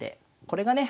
これがね